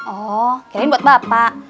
oh kayaknya buat bapak